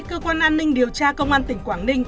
cơ quan an ninh điều tra công an tỉnh quảng ninh